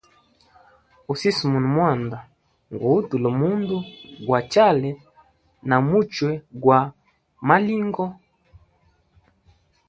Usisimuna mwanda ngu utula mundu gwa chale na muchwe gwa malingo.